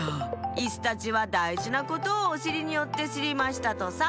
イスたちはだいじなことをおしりによってしりましたとさ」。